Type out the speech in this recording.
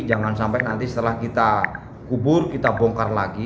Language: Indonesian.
jangan sampai nanti setelah kita kubur kita bongkar lagi